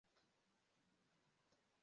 Umugabo arabyina kurukuta rwamabara